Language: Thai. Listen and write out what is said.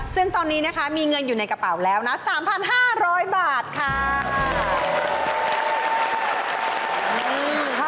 ซึ่งตอนนี้นะคะมีเงินอยู่ในกระเป๋าแล้วนะ๓๕๐๐บาทค่ะ